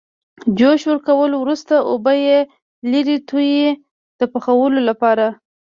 جوش ورکولو وروسته اوبه یې لرې تویوي د پخولو لپاره.